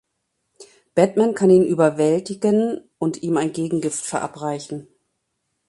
Batman kann ihn überwältigen und ihm ein Gegengift verabreichen.